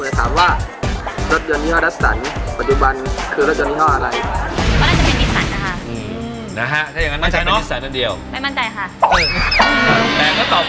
อืมนะฮะถ้าอย่างนั้นไม่ใช่เนอะไม่มั่นใจค่ะเออแต่งจะตอบว่าตอนนี้สันแล้วกันค่ะ